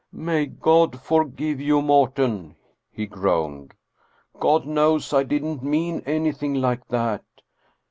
" May God forgive you, Morten!" he groaned. "God knows I didn't mean anything like that.